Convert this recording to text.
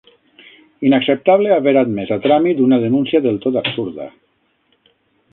Inacceptable haver admés a tràmit una denúncia del tot absurda.